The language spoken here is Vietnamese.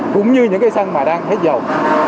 cũng như những cây xăng mà đang hết dầu